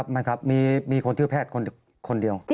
ไม่ครับมีคนชื่อแพทย์คนเดียว